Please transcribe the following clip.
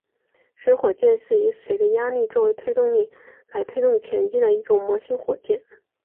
水火箭是以水的压力作为推动力来推动前进的一种模型火箭。